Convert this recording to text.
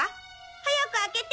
「早く開けて！」